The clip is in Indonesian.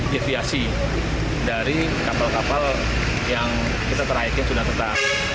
deviasi dari kapal kapal yang kita traiknya sudah tetap